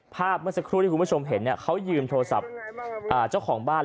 เมื่อสักครู่ที่คุณผู้ชมเห็นเขายืมโทรศัพท์เจ้าของบ้าน